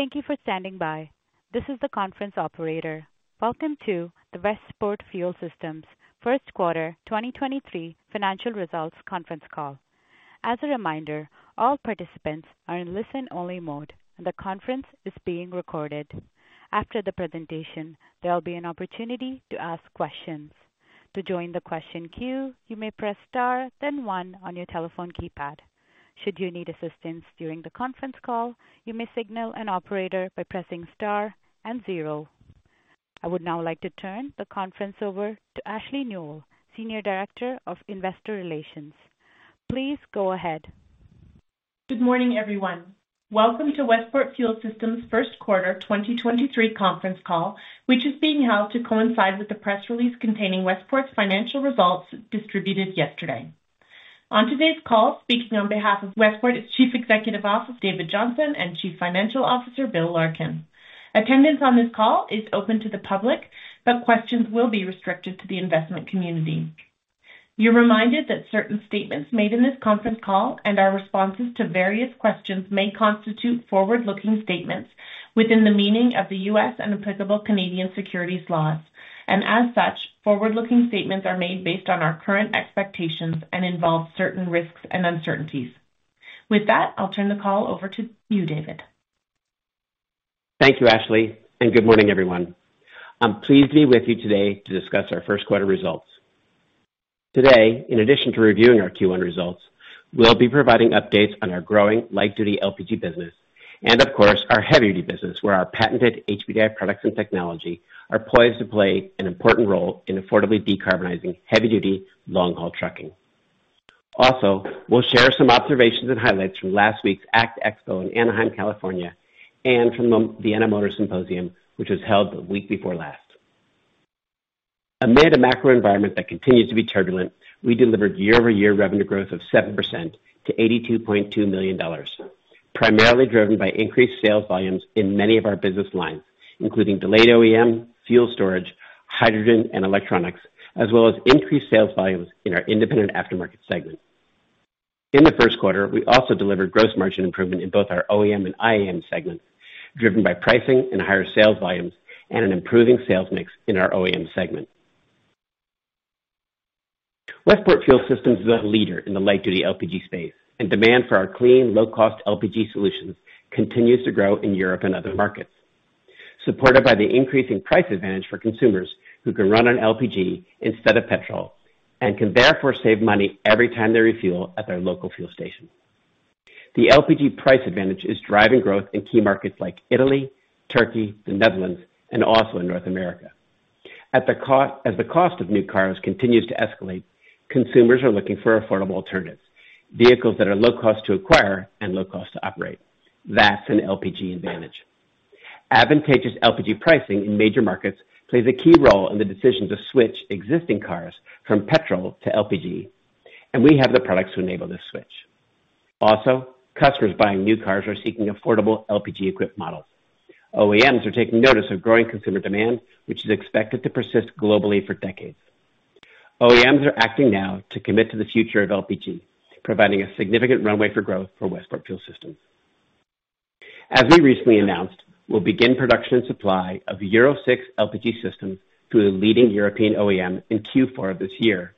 Thank you for standing by. This is the conference operator. Welcome to the Westport Fuel Systems First Quarter 2023 Financial Results Conference Call. As a reminder, all participants are in listen-only mode, and the conference is being recorded. After the presentation, there will be an opportunity to ask questions. To join the question queue, you may press star, then one on your telephone keypad. Should you need assistance during the conference call, you may signal an operator by pressing star and zero. I would now like to turn the conference over to Ashley Nuell, Senior Director of Investor Relations. Please go ahead. Good morning, everyone. Welcome to Westport Fuel Systems First Quarter 2023 Conference Call, which is being held to coincide with the press release containing Westport's financial results distributed yesterday. On today's call, speaking on behalf of Westport, its Chief Executive Officer, David Johnson, and Chief Financial Officer, Bill Larkin. Attendance on this call is open to the public, questions will be restricted to the investment community. You're reminded that certain statements made in this conference call and our responses to various questions may constitute forward-looking statements within the meaning of the U.S. and applicable Canadian securities laws. As such, forward-looking statements are made based on our current expectations and involve certain risks and uncertainties. With that, I'll turn the call over to you, David. Thank you, Ashley. Good morning, everyone. I'm pleased to be with you today to discuss our first quarter results. Today, in addition to reviewing our Q1 results, we'll be providing updates on our growing light-duty LPG business and, of course, our heavy-duty business, where our patented HPDI products and technology are poised to play an important role in affordably decarbonizing heavy-duty long-haul trucking. We'll share some observations and highlights from last week's ACT Expo in Anaheim, California, and from the Vienna Motor Symposium, which was held the week before last. Amid a macro environment that continues to be turbulent, we delivered year-over-year revenue growth of 7% to $82.2 million, primarily driven by increased sales volumes in many of our business lines, including delayed OEM, fuel storage, hydrogen and electronics, as well as increased sales volumes in our independent aftermarket segment. In the first quarter, we also delivered gross margin improvement in both our OEM and IAM segments, driven by pricing and higher sales volumes and an improving sales mix in our OEM segment. Westport Fuel Systems is a leader in the light-duty LPG space, and demand for our clean, low-cost LPG solutions continues to grow in Europe and other markets, supported by the increasing price advantage for consumers who can run on LPG instead of petrol and can therefore save money every time they refuel at their local fuel station. The LPG price advantage is driving growth in key markets like Italy, Turkey, the Netherlands, and also in North America. As the cost of new cars continues to escalate, consumers are looking for affordable alternatives, vehicles that are low cost to acquire and low cost to operate. That's an LPG advantage. Advantageous LPG pricing in major markets plays a key role in the decision to switch existing cars from petrol to LPG, and we have the products to enable this switch. Also, customers buying new cars are seeking affordable LPG-equipped models. OEMs are taking notice of growing consumer demand, which is expected to persist globally for decades. OEMs are acting now to commit to the future of LPG, providing a significant runway for growth for Westport Fuel Systems. As we recently announced, we'll begin production and supply of Euro 6 LPG systems to a leading European OEM in Q4 of this year.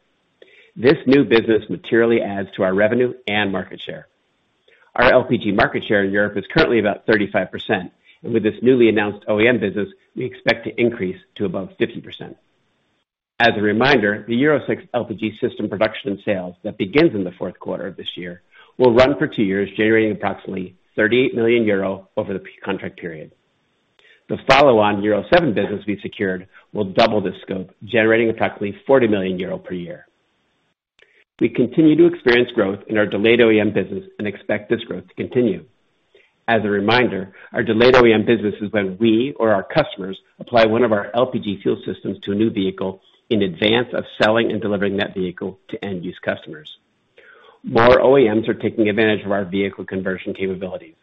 This new business materially adds to our revenue and market share. Our LPG market share in Europe is currently about 35%. With this newly announced OEM business, we expect to increase to above 50%. As a reminder, the Euro 6 LPG system production and sales that begins in the fourth quarter of this year will run for two years, generating approximately 38 million euro over the contract period. The follow-on Euro 7 business we secured will double this scope, generating approximately 40 million euro per year. We continue to experience growth in our delayed OEM business and expect this growth to continue. As a reminder, our delayed OEM business is when we or our customers apply one of our LPG fuel systems to a new vehicle in advance of selling and delivering that vehicle to end-use customers. More OEMs are taking advantage of our vehicle conversion capabilities.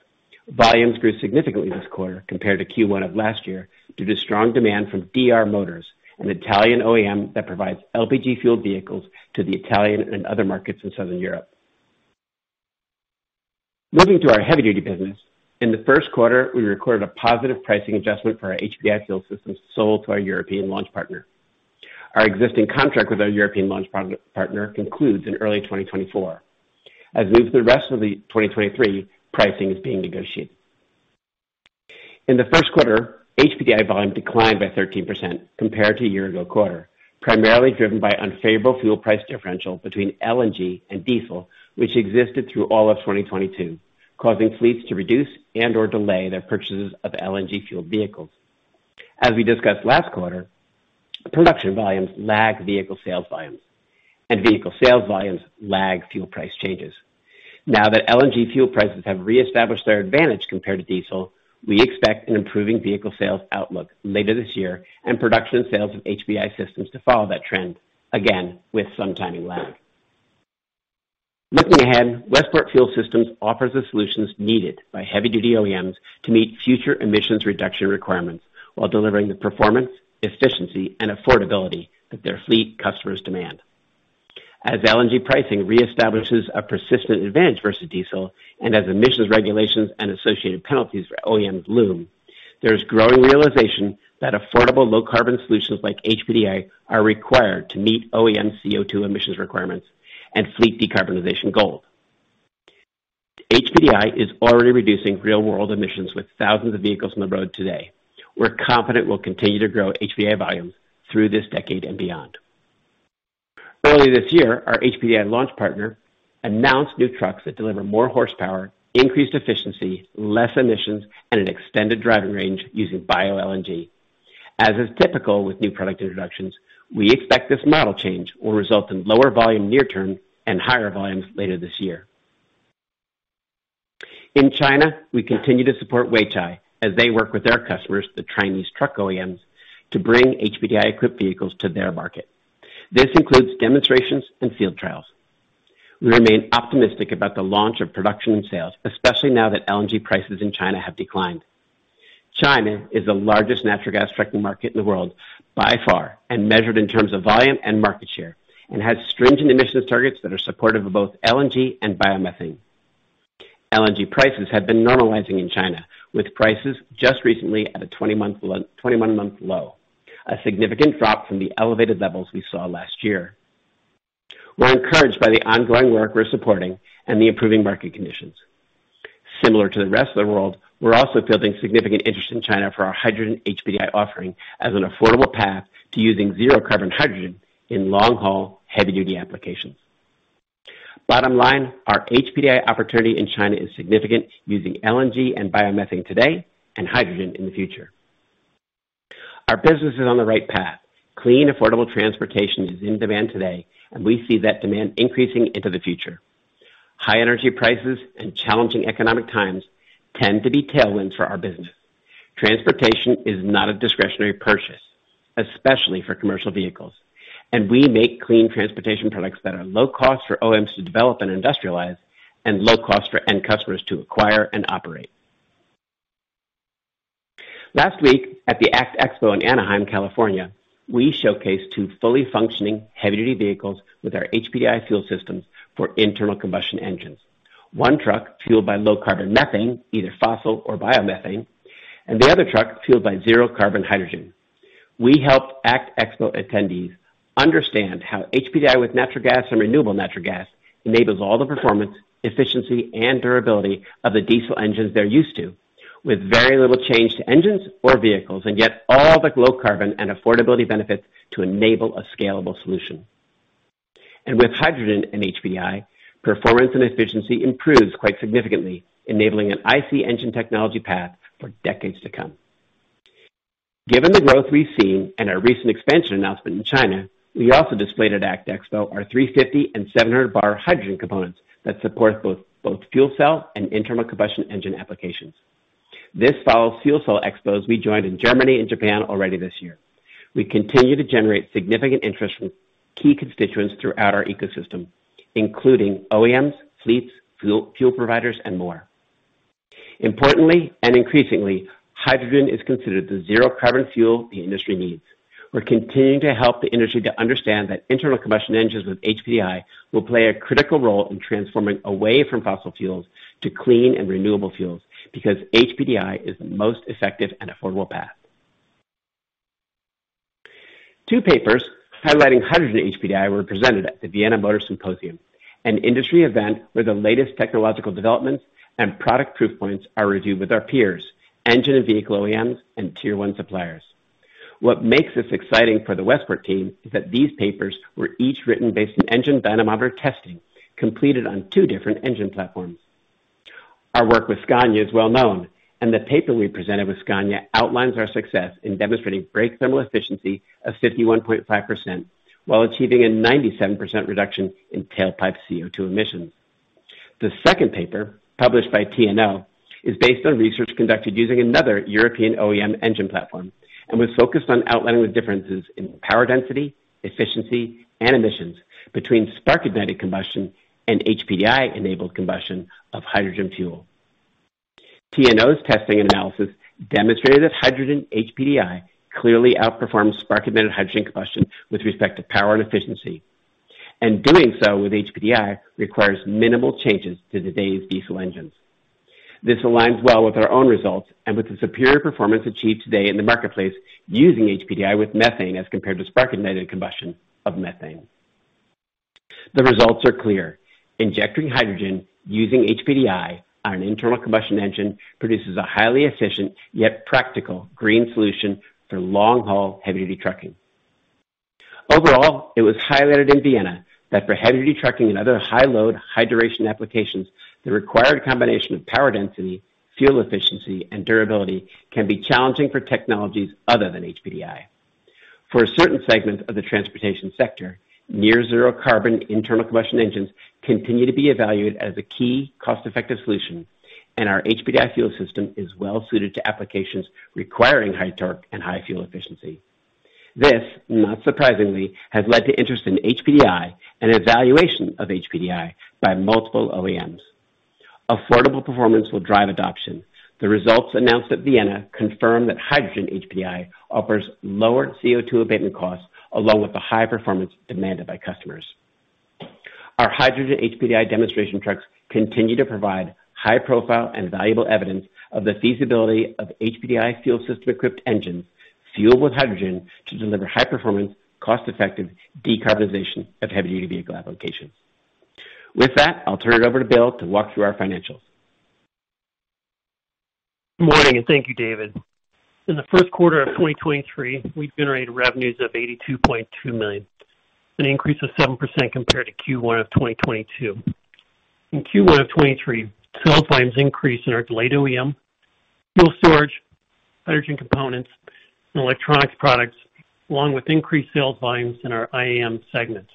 Volumes grew significantly this quarter compared to Q1 of last year due to strong demand from DR Motor, an Italian OEM that provides LPG fuel vehicles to the Italian and other markets in Southern Europe. Moving to our heavy-duty business. In the first quarter, we recorded a positive pricing adjustment for our HPDI fuel systems sold to our European launch partner. Our existing contract with our European launch partner concludes in early 2024. As we move to the rest of 2023, pricing is being negotiated. In the first quarter, HPDI volume declined by 13% compared to a year-ago quarter, primarily driven by unfavorable fuel price differential between LNG and diesel, which existed through all of 2022, causing fleets to reduce and or delay their purchases of LNG fuel vehicles. As we discussed last quarter, production volumes lag vehicle sales volumes, and vehicle sales volumes lag fuel price changes. Now that LNG fuel prices have reestablished their advantage compared to diesel, we expect an improving vehicle sales outlook later this year and production sales of HPDI systems to follow that trend, again with some timing lag. Looking ahead, Westport Fuel Systems offers the solutions needed by heavy-duty OEMs to meet future emissions reduction requirements while delivering the performance, efficiency, and affordability that their fleet customers demand. As LNG pricing reestablishes a persistent advantage versus diesel and as emissions regulations and associated penalties for OEMs loom, there is growing realization that affordable low carbon solutions like HPDI are required to meet OEM CO2 emissions requirements and fleet decarbonization goals. HPDI is already reducing real world emissions with thousands of vehicles on the road today. We're confident we'll continue to grow HPDI volumes through this decade and beyond. Early this year, our HPDI launch partner announced new trucks that deliver more horsepower, increased efficiency, less emissions, and an extended driving range using bio-LNG. As is typical with new product introductions, we expect this model change will result in lower volume near term and higher volumes later this year. In China, we continue to support Weichai as they work with their customers, the Chinese truck OEMs, to bring HPDI equipped vehicles to their market. This includes demonstrations and field trials. We remain optimistic about the launch of production and sales, especially now that LNG prices in China have declined. China is the largest natural gas trucking market in the world by far, and measured in terms of volume and market share, and has stringent emissions targets that are supportive of both LNG and biomethane. LNG prices have been normalizing in China, with prices just recently at a 21-month low, a significant drop from the elevated levels we saw last year. We're encouraged by the ongoing work we're supporting and the improving market conditions. Similar to the rest of the world, we're also building significant interest in China for our hydrogen HPDI offering as an affordable path to using zero carbon hydrogen in long haul, heavy duty applications. Bottom line, our HPDI opportunity in China is significant, using LNG and biomethane today and hydrogen in the future. Our business is on the right path. Clean, affordable transportation is in demand today. We see that demand increasing into the future. High energy prices and challenging economic times tend to be tailwinds for our business. Transportation is not a discretionary purchase, especially for commercial vehicles, and we make clean transportation products that are low cost for OEMs to develop and industrialize and low cost for end customers to acquire and operate. Last week at the ACT Expo in Anaheim, California, we showcased two fully functioning heavy duty vehicles with our HPDI fuel systems for internal combustion engines. One truck fueled by low carbon methane, either fossil or biomethane, and the other truck fueled by zero carbon hydrogen. We helped ACT Expo attendees understand how HPDI with natural gas and renewable natural gas enables all the performance, efficiency and durability of the diesel engines they're used to with very little change to engines or vehicles, and yet all the low carbon and affordability benefits to enable a scalable solution. With hydrogen and HPDI, performance and efficiency improves quite significantly, enabling an IC engine technology path for decades to come. Given the growth we've seen and our recent expansion announcement in China, we also displayed at ACT Expo our 350 and 700 bar hydrogen components that support both fuel cell and internal combustion engine applications. This follows fuel cell expos we joined in Germany and Japan already this year. We continue to generate significant interest from key constituents throughout our ecosystem, including OEMs, fleets, fuel providers, and more. Importantly and increasingly, hydrogen is considered the zero carbon fuel the industry needs. We're continuing to help the industry to understand that internal combustion engines with HPDI will play a critical role in transforming away from fossil fuels to clean and renewable fuels because HPDI is the most effective and affordable path. Two papers highlighting hydrogen HPDI were presented at the Vienna Motor Symposium, an industry event where the latest technological developments and product proof points are reviewed with our peers, engine and vehicle OEMs and tier one suppliers. What makes this exciting for the Westport team is that these papers were each written based on engine dynamometer testing completed on two different engine platforms. Our work with Scania is well known, and the paper we presented with Scania outlines our success in demonstrating brake thermal efficiency of 51.5%, while achieving a 97% reduction in tailpipe CO2 emissions. The second paper, published by TNO, is based on research conducted using another European OEM engine platform and was focused on outlining the differences in power density, efficiency, and emissions between spark ignited combustion and HPDI enabled combustion of hydrogen fuel. TNO's testing analysis demonstrated that hydrogen HPDI clearly outperforms spark ignited hydrogen combustion with respect to power and efficiency, and doing so with HPDI requires minimal changes to today's diesel engines. This aligns well with our own results and with the superior performance achieved today in the marketplace using HPDI with methane as compared to spark ignited combustion of methane. The results are clear. Injecting hydrogen using HPDI on an internal combustion engine produces a highly efficient yet practical green solution for long-haul heavy-duty trucking. Overall, it was highlighted in Vienna that for heavy-duty trucking and other high load, high duration applications, the required combination of power density, fuel efficiency, and durability can be challenging for technologies other than HPDI. For a certain segment of the transportation sector, near zero carbon internal combustion engines continue to be evaluated as a key cost effective solution, and our HPDI fuel system is well suited to applications requiring high torque and high fuel efficiency. This, not surprisingly, has led to interest in HPDI and evaluation of HPDI by multiple OEMs. Affordable performance will drive adoption. The results announced at Vienna confirm that hydrogen HPDI offers lower CO2 abatement costs along with the high performance demanded by customers. Our hydrogen HPDI demonstration trucks continue to provide high profile and valuable evidence of the feasibility of HPDI fuel system equipped engines fueled with hydrogen to deliver high performance, cost effective decarbonization of heavy duty vehicle applications. With that, I'll turn it over to Bill to walk through our financials. Good morning and thank you, David. In the first quarter of 2023, we generated revenues of $82.2 million, an increase of 7% compared to Q1 of 2022. In Q1 of 2023, sales volumes increased in our delayed OEM fuel storage, hydrogen components and electronics products, along with increased sales volumes in our IAM segments,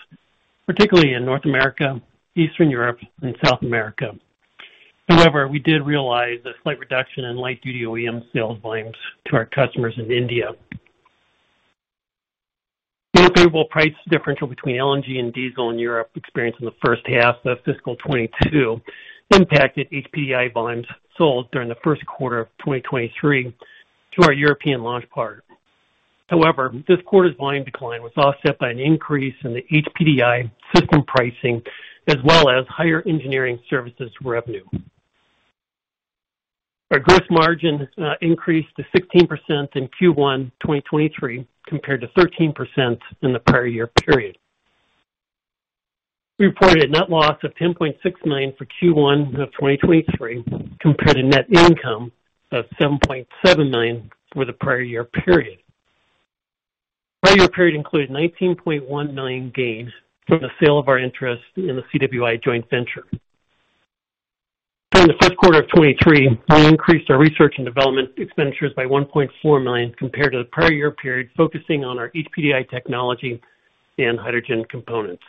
particularly in North America, Eastern Europe and South America. However, we did realize a slight reduction in light duty OEM sales volumes to our customers in India. The unfavorable price differential between LNG and diesel in Europe experienced in the first half of fiscal 2022 impacted HPDI volumes sold during the first quarter of 2023 to our European launch partner. However, this quarter's volume decline was offset by an increase in the HPDI system pricing as well as higher engineering services revenue. Our gross margin increased to 16% in Q1 2023 compared to 13% in the prior year period. We reported a net loss of $10.6 million for Q1 of 2023, compared to net income of $7.7 million for the prior year period. Prior year period included $19.1 million gain from the sale of our interest in the CWI joint venture. During the first quarter of 2023, we increased our research and development expenditures by $1.4 million compared to the prior year period, focusing on our HPDI technology and hydrogen components.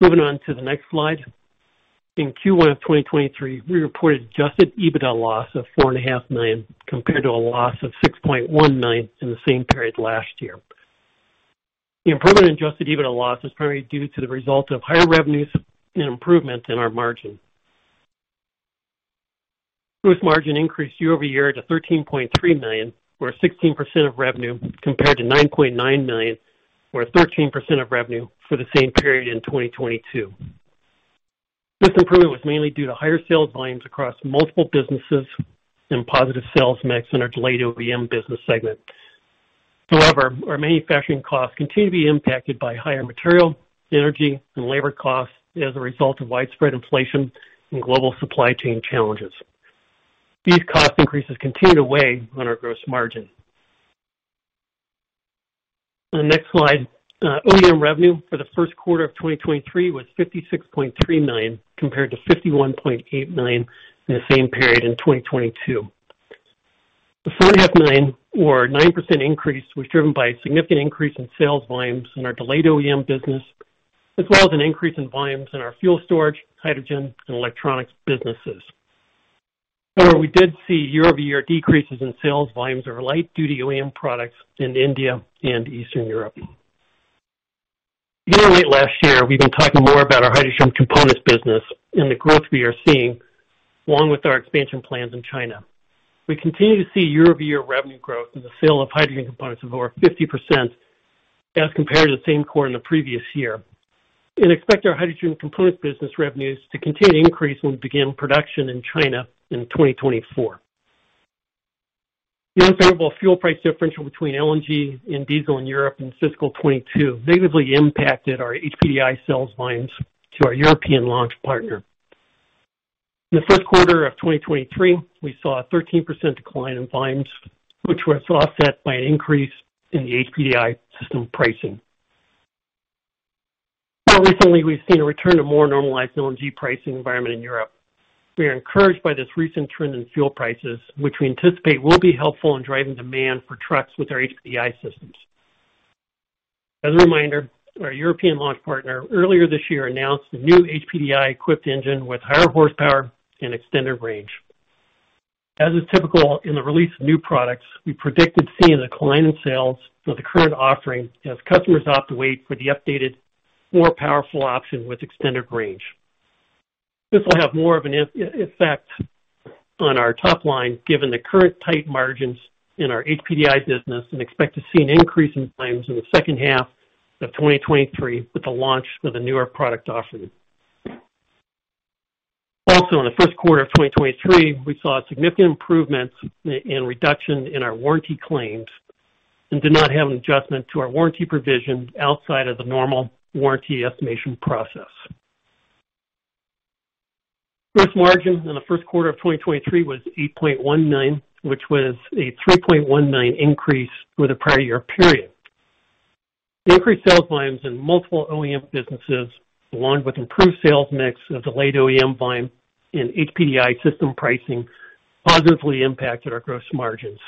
Moving on to the next slide. In Q1 of 2023, we reported adjusted EBITDA loss of four and a half million, compared to a loss of $6.1 million in the same period last year. The improvement in adjusted EBITDA loss is primarily due to the result of higher revenues and improvements in our margin. Gross margin increased year-over-year to $13.3 million, or 16% of revenue, compared to $9.9 million or 13% of revenue for the same period in 2022. This improvement was mainly due to higher sales volumes across multiple businesses and positive sales mix in our delayed OEM business segment. However, our manufacturing costs continue to be impacted by higher material, energy and labor costs as a result of widespread inflation and global supply chain challenges. These cost increases continue to weigh on our gross margin. On the next slide, OEM revenue for the first quarter of 2023 was $56.39 compared to $51.89 in the same period in 2022. The 5.9% or 9% increase was driven by a significant increase in sales volumes in our delayed OEM business, as well as an increase in volumes in our fuel storage, hydrogen and electronics businesses. We did see year-over-year decreases in sales volumes of our light duty OEM products in India and Eastern Europe. Year over late last year, we've been talking more about our hydrogen components business and the growth we are seeing, along with our expansion plans in China. We continue to see year-over-year revenue growth in the sale of hydrogen components of over 50% as compared to the same quarter in the previous year, and expect our hydrogen components business revenues to continue to increase when we begin production in China in 2024. The unfavorable fuel price differential between LNG and diesel in Europe in fiscal 2022 negatively impacted our HPDI sales volumes to our European launch partner. In the first quarter of 2023, we saw a 13% decline in volumes, which was offset by an increase in the HPDI system pricing. More recently, we've seen a return to more normalized LNG pricing environment in Europe. We are encouraged by this recent trend in fuel prices, which we anticipate will be helpful in driving demand for trucks with our HPDI systems. As a reminder, our European launch partner earlier this year announced a new HPDI equipped engine with higher horsepower and extended range. As is typical in the release of new products, we predicted seeing a decline in sales for the current offering as customers opt to wait for the updated, more powerful option with extended range. This will have more of an effect on our top line given the current tight margins in our HPDI business and expect to see an increase in claims in the second half of 2023 with the launch of the newer product offering. In the first quarter of 2023, we saw a significant improvement in reduction in our warranty claims and did not have an adjustment to our warranty provision outside of the normal warranty estimation process. Gross margin in the first quarter of 2023 was 8.19%, which was a 3.19% increase for the prior year period. The increased sales volumes in multiple OEM businesses, along with improved sales mix of delayed OEM volume and HPDI system pricing, positively impacted our gross margins.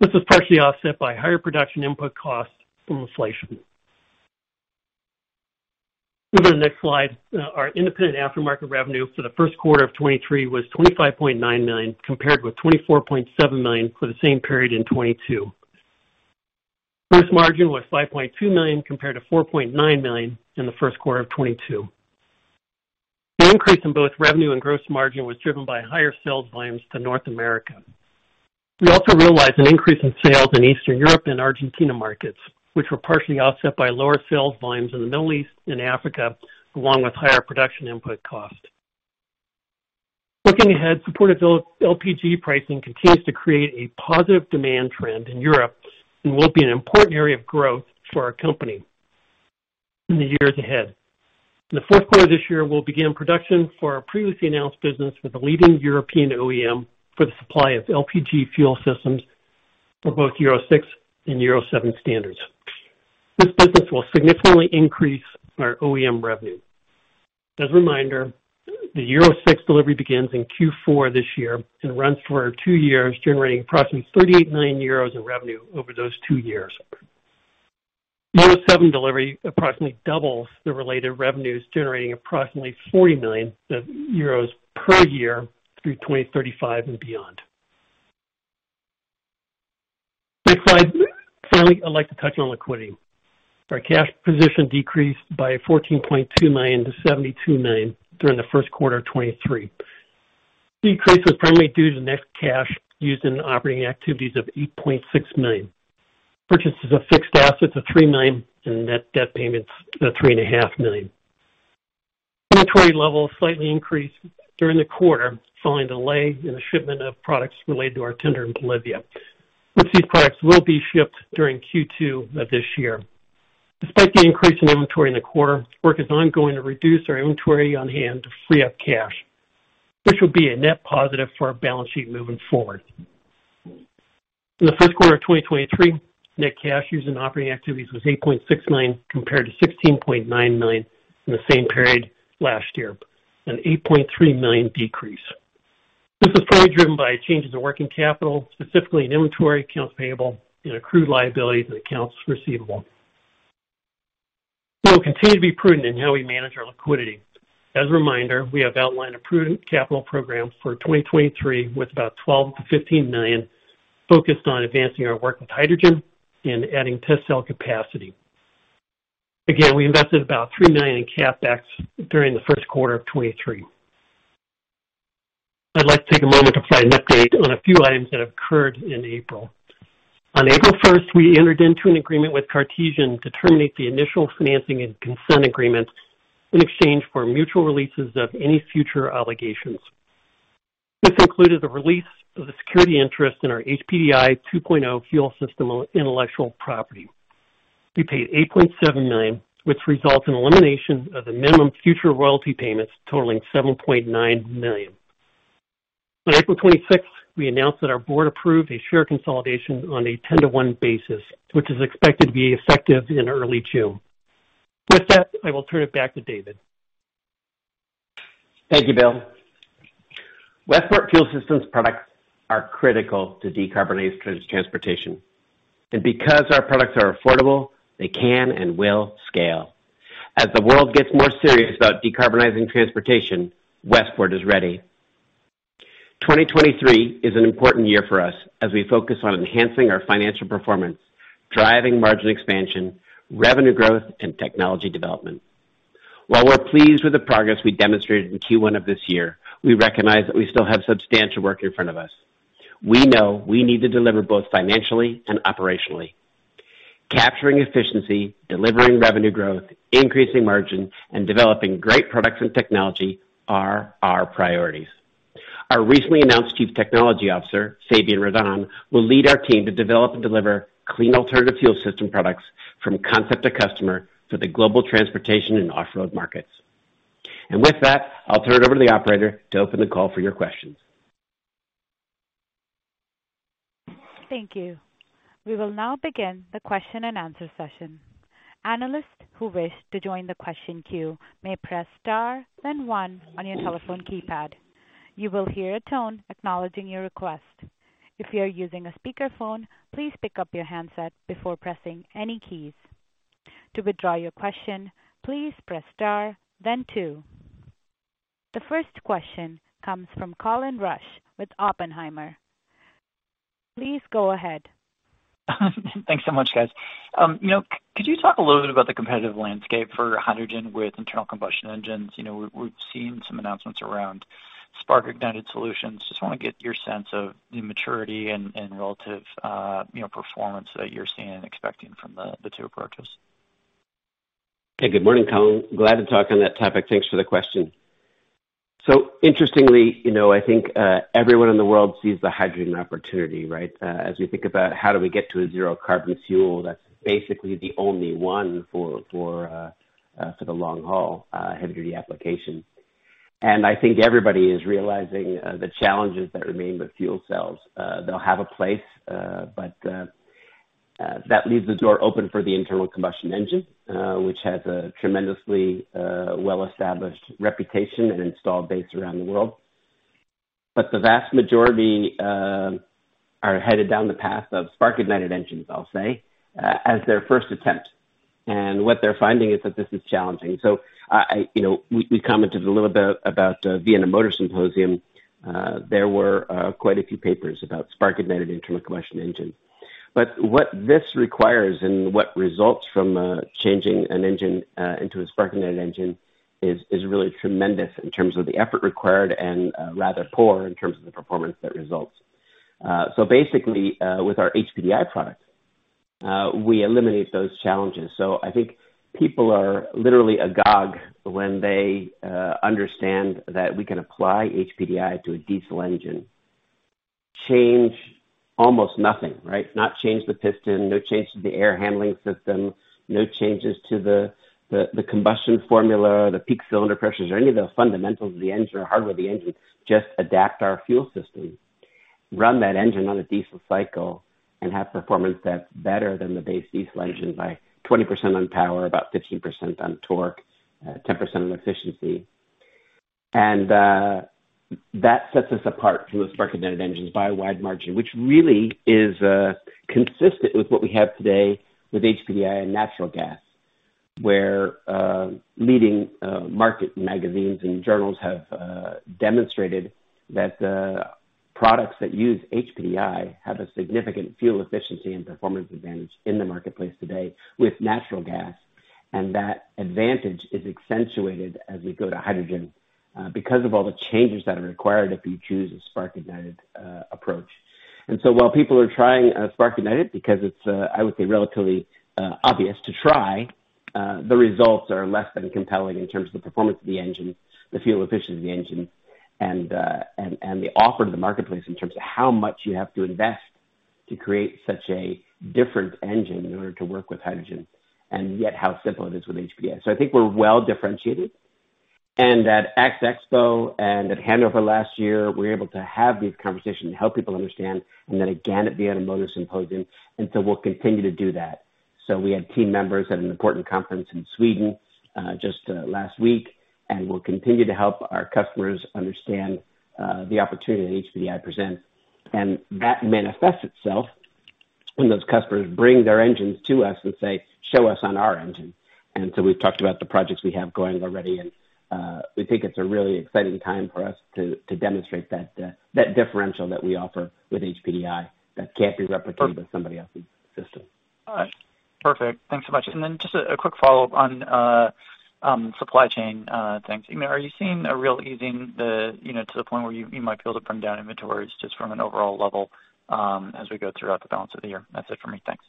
This was partially offset by higher production input costs from inflation. Moving to the next slide. Our independent aftermarket revenue for the first quarter of 2023 was $25.9 million, compared with $24.7 million for the same period in 2022. Gross margin was $5.2 million compared to $4.9 million in the first quarter of 2022. The increase in both revenue and gross margin was driven by higher sales volumes to North America. We also realized an increase in sales in Eastern Europe and Argentina markets, which were partially offset by lower sales volumes in the Middle East and Africa, along with higher production input costs. Looking ahead, supportive LPG pricing continues to create a positive demand trend in Europe and will be an important area of growth for our company in the years ahead. In the 4th quarter this year, we'll begin production for our previously announced business with a leading European OEM for the supply of LPG fuel systems for both Euro 6 and Euro 7 standards. This business will significantly increase our OEM revenue. As a reminder, the Euro 6 delivery begins in Q4 this year and runs for two years, generating approximately 38 million euros in revenue over those two years. Euro 7 delivery approximately doubles the related revenues, generating approximately 40 million euros per year through 2035 and beyond. Next slide. Finally, I'd like to touch on liquidity. Our cash position decreased by 14.2 million to 72 million during the first quarter of 2023. Decrease was primarily due to net cash used in operating activities of 8.6 million, purchases of fixed assets of 3 million, and net debt payments of three and a half million. Inventory levels slightly increased during the quarter, following delay in the shipment of products related to our tender in Bolivia, which these products will be shipped during Q2 of this year. Despite the increase in inventory in the quarter, work is ongoing to reduce our inventory on hand to free up cash, which will be a net positive for our balance sheet moving forward. In the first quarter of 2023, net cash used in operating activities was $8.6 million, compared to $16.9 million in the same period last year, an $8.3 million decrease. This was primarily driven by changes in working capital, specifically in inventory, accounts payable and accrued liabilities and accounts receivable. We will continue to be prudent in how we manage our liquidity. As a reminder, we have outlined a prudent capital program for 2023 with about $12 million-$15 million focused on advancing our work with hydrogen and adding test cell capacity. We invested about $3 million in CapEx during the first quarter of 2023. I'd like to take a moment to provide an update on a few items that occurred in April. On April 1st, we entered into an agreement with Cartesian to terminate the initial financing and consent agreements in exchange for mutual releases of any future obligations. This included the release of the security interest in our HPDI 2.0 fuel system intellectual property. We paid $8.7 million, which results in elimination of the minimum future royalty payments totaling $7.9 million. On April 26, we announced that our Board approved a share consolidation on a 10 to 1 basis, which is expected to be effective in early June. With that, I will turn it back to David. Thank you, Bill. Westport Fuel Systems products are critical to decarbonized transportation. Because our products are affordable, they can and will scale. As the world gets more serious about decarbonizing transportation, Westport is ready. 2023 is an important year for us as we focus on enhancing our financial performance, driving margin expansion, revenue growth and technology development. While we're pleased with the progress we demonstrated in Q1 of this year, we recognize that we still have substantial work in front of us. We know we need to deliver both financially and operationally. Capturing efficiency, delivering revenue growth, increasing margin, and developing great products and technology are our priorities. Our recently announced Chief Technology Officer, Fabien Redon, will lead our team to develop and deliver clean alternative fuel system products from concept to customer for the global transportation and off-road markets. With that, I'll turn it over to the operator to open the call for your questions. Thank you. We will now begin the question and answer session. Analysts who wish to join the question queue may press star then one on your telephone keypad. You will hear a tone acknowledging your request. If you are using a speakerphone, please pick up your handset before pressing any keys. To withdraw your question, please press star then two. The first question comes from Colin Rusch with Oppenheimer. Please go ahead. Thanks so much, guys. You know, could you talk a little bit about the competitive landscape for hydrogen with internal combustion engines? You know, we're seeing some announcements around spark ignited solutions. Just wanna get your sense of the maturity and relative, you know, performance that you're seeing and expecting from the two approaches. Okay. Good morning, Colin. Glad to talk on that topic. Thanks for the question. Interestingly, you know, I think everyone in the world sees the hydrogen opportunity, right? As we think about how do we get to a zero carbon fuel, that's basically the only one for the long haul, heavy-duty application. I think everybody is realizing the challenges that remain with fuel cells. They'll have a place, but that leaves the door open for the internal combustion engine, which has a tremendously well-established reputation and install base around the world. The vast majority are headed down the path of spark ignited engines, I'll say, as their first attempt. What they're finding is that this is challenging. I, you know, we commented a little bit about Vienna Motor Symposium. There were quite a few papers about spark-ignited internal combustion engine. What this requires and what results from changing an engine into a spark-ignited engine is really tremendous in terms of the effort required and rather poor in terms of the performance that results. Basically, with our HPDI product, we eliminate those challenges. I think people are literally agog when they understand that we can apply HPDI to a diesel engine, change almost nothing, right? Not change the piston, no change to the air handling system, no changes to the combustion formula, the peak cylinder pressures, or any of the fundamentals of the engine or hardware of the engine, just adapt our fuel system, run that engine on a diesel cycle, and have performance that's better than the base diesel engine by 20% on power, about 15% on torque, 10% on efficiency. That sets us apart from those spark-ignited engines by a wide margin, which really is consistent with what we have today with HPDI and natural gas, where leading market magazines and journals have demonstrated that products that use HPDI have a significant fuel efficiency and performance advantage in the marketplace today with natural gas. That advantage is accentuated as we go to hydrogen, because of all the changes that are required if you choose a spark ignited approach. While people are trying spark ignited because it's, I would say relatively obvious to try, the results are less than compelling in terms of the performance of the engine, the fuel efficiency of the engine, and the offer to the marketplace in terms of how much you have to invest to create such a different engine in order to work with hydrogen, and yet how simple it is with HPDI. I think we're well differentiated. At ACT Expo and at Hanover last year, we were able to have these conversations and help people understand, and then again at the Automotive Symposium, and so we'll continue to do that. We had team members at an important conference in Sweden, just last week, and we'll continue to help our customers understand the opportunity that HPDI presents. That manifests itself when those customers bring their engines to us and say, "Show us on our engine." We've talked about the projects we have going already, and we think it's a really exciting time for us to demonstrate that differential that we offer with HPDI that can't be replicated with somebody else's system. All right. Perfect. Thanks so much. Just a quick follow-up on supply chain, thanks. You know, are you seeing a real easing, you know, to the point where you might be able to bring down inventories just from an overall level as we go throughout the balance of the year? That's it for me. Thanks.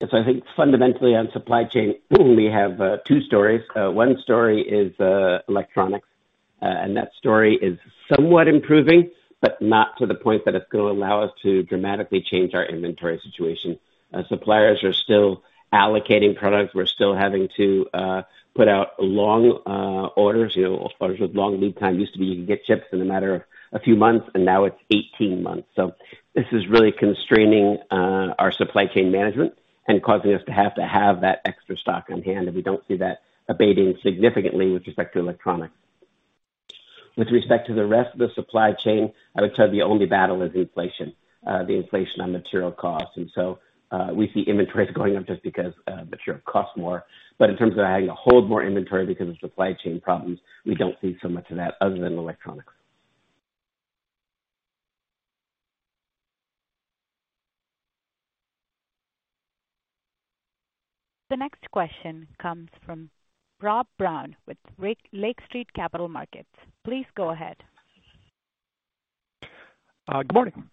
Yes. I think fundamentally on supply chain, we have two stories. One story is electronics, and that story is somewhat improving, but not to the point that it's gonna allow us to dramatically change our inventory situation. Suppliers are still allocating products. We're still having to put out long orders, you know, orders with long lead time. Used to be you can get chips in a matter of a few months, and now it's 18 months. This is really constraining our supply chain management and causing us to have to have that extra stock on hand, and we don't see that abating significantly with respect to electronics. With respect to the rest of the supply chain, I would say the only battle is inflation, the inflation on material costs. We see inventories going up just because material costs more. In terms of having to hold more inventory because of supply chain problems, we don't see so much of that other than electronics. The next question comes from Rob Brown with Lake Street Capital Markets. Please go ahead. Good morning.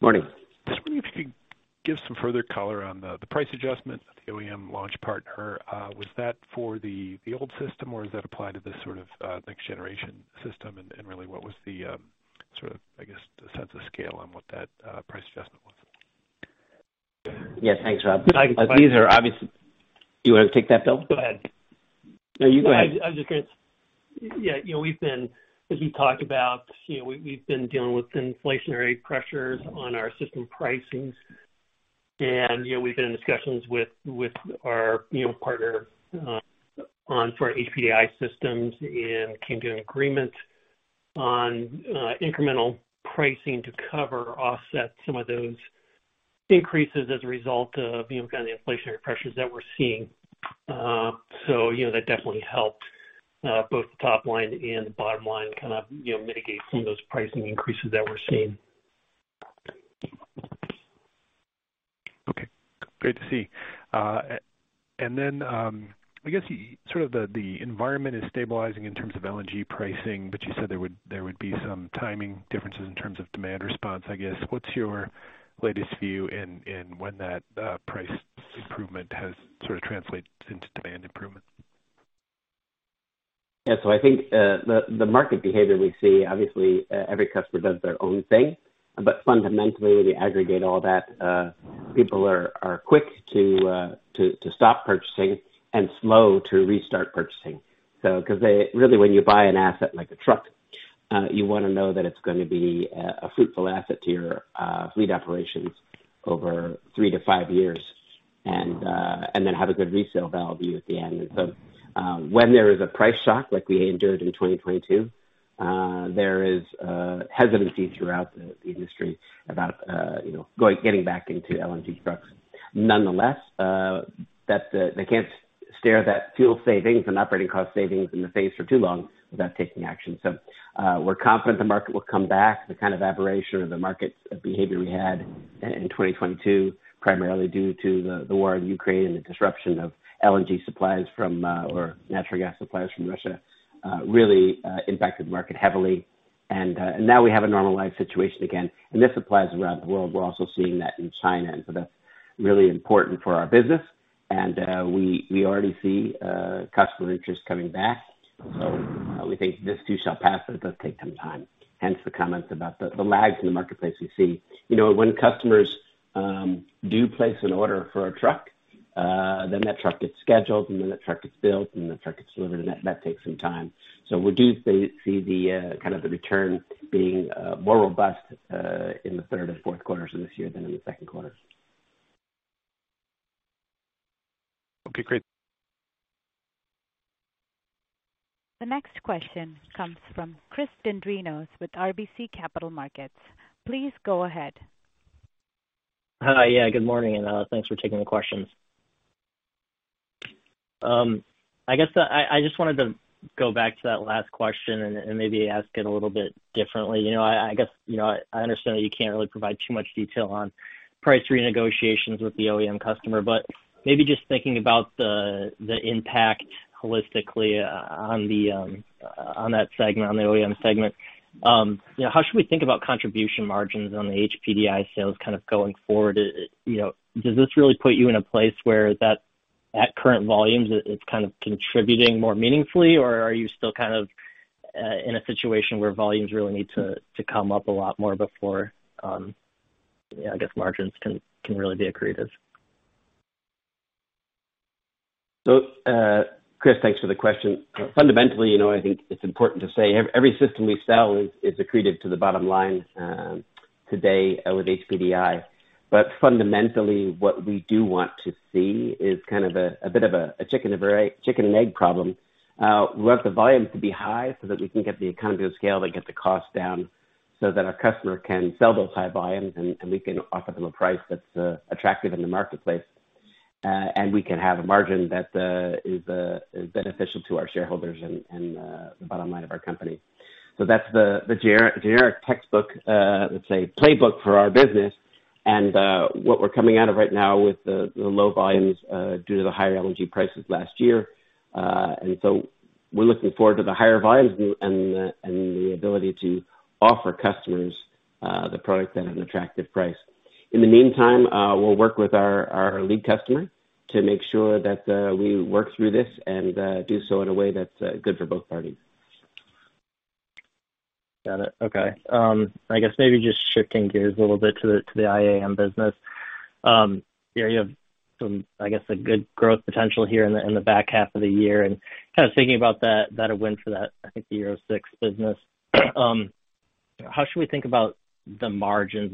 Morning. Just wondering if you could give some further color on the price adjustment of the OEM launch partner? Was that for the old system, or does that apply to the sort of, next generation system? Really, what was the, sort of, I guess, the sense of scale on what that, price adjustment was? Yeah. Thanks, Rob. I can- These are obvious... You wanna take that, Bill? Go ahead. No, you go ahead. You know, we've been, as we talked about, you know, we've been dealing with inflationary pressures on our system pricings. You know, we've been in discussions with our, you know, partner on for our HPDI systems and came to an agreement on incremental pricing to cover or offset some of those increases as a result of, you know, kind of the inflationary pressures that we're seeing. You know, that definitely helped both the top line and the bottom line kind of, you know, mitigate some of those pricing increases that we're seeing. Okay. Great to see. I guess sort of the environment is stabilizing in terms of LNG pricing, but you said there would be some timing differences in terms of demand response, I guess? What's your latest view in when that price improvement has sort of translated into demand improvement? Yeah. I think the market behavior we see, obviously every customer does their own thing. But fundamentally, we aggregate all that. People are quick to stop purchasing and slow to restart purchasing. Really, when you buy an asset like a truck, you wanna know that it's gonna be a fruitful asset to your fleet operations over three to five years and then have a good resale value at the end. When there is a price shock like we endured in 2022, there is hesitancy throughout the industry about, you know, getting back into LNG trucks. Nonetheless, they can't stare that fuel savings and operating cost savings in the face for too long without taking action. We're confident the market will come back. The kind of aberration of the market behavior we had in 2022, primarily due to the war in Ukraine and the disruption of LNG supplies from or natural gas supplies from Russia, really impacted the market heavily. Now we have a normalized situation again, and this applies around the world. We're also seeing that in China, and so that's really important for our business. We already see customer interest coming back. We think this too shall pass, but it does take some time, hence the comments about the lags in the marketplace we see. You know, when customers do place an order for a truck, then that truck gets scheduled, and then that truck gets built, and that truck gets delivered, and that takes some time. We do see the kind of the return being more robust in the third and fourth quarters of this year than in the second quarter. Okay, great. The next question comes from Chris Dendrinos with RBC Capital Markets. Please go ahead. Hi. Good morning, and thanks for taking the questions. I guess I just wanted to go back to that last question and maybe ask it a little bit differently. You know, I guess, you know, I understand that you can't really provide too much detail on price renegotiations with the OEM customer, but maybe just thinking about the impact holistically on the OEM segment, you know, how should we think about contribution margins on the HPDI sales kind of going forward? You know, does this really put you in a place where at current volumes it's kind of contributing more meaningfully? Or are you still kind of in a situation where volumes really need to come up a lot more before, yeah, I guess margins can really be accretive? Chris, thanks for the question. Fundamentally, you know, I think it's important to say every system we sell is accretive to the bottom line today with HPDI. Fundamentally, what we do want to see is kind of a bit of a chicken and egg problem. We want the volume to be high so that we can get the economies of scale that get the cost down, so that our customer can sell those high volumes, and we can offer them a price that's attractive in the marketplace, and we can have a margin that is beneficial to our shareholders and the bottom line of our company. That's the generic textbook, let's say playbook for our business and what we're coming out of right now with the low volumes due to the higher LNG prices last year. We're looking forward to the higher volumes and the ability to offer customers the product at an attractive price. In the meantime, we'll work with our lead customer to make sure that we work through this and do so in a way that's good for both parties. Got it. Okay. I guess maybe just shifting gears a little bit to the IAM business. You know, you have some, I guess, a good growth potential here in the back half of the year and kind of thinking about that a win for that, I think the Euro 6 business. How should we think about the margins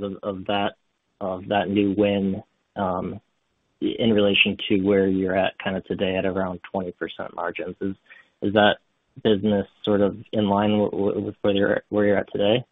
of that new win in relation to where you're at kind of today at around 20% margins? Is that business sort of in line with where you're, where you're at today?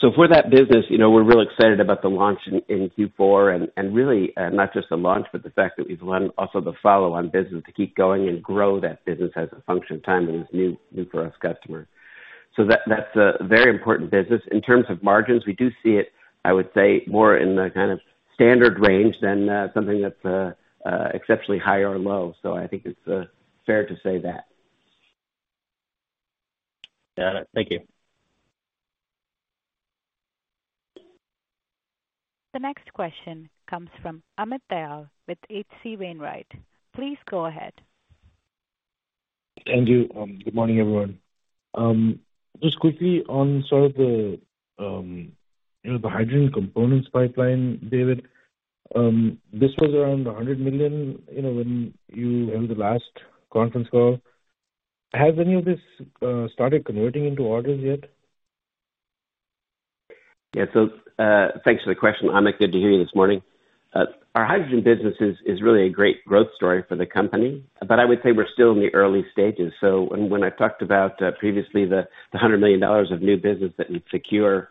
For that business, you know, we're really excited about the launch in Q4 and really, not just the launch, but the fact that we've won also the follow-on business to keep going and grow that business as a function of time and this new for us customer. That's a very important business. In terms of margins, we do see it, I would say, more in the kind of standard range than something that's exceptionally high or low. I think it's fair to say that. Got it. Thank you. The next question comes from Amit Dayal with H.C. Wainwright. Please go ahead. Thank you. Good morning, everyone. Just quickly on sort of the, you know, the hydrogen components pipeline, David. This was around $100 million, you know, when you in the last conference call. Has any of this started converting into orders yet? Thanks for the question, Amit. Good to hear you this morning. Our hydrogen business is really a great growth story for the company, but I would say we're still in the early stages. When I talked about previously the $100 million of new business that we'd secure,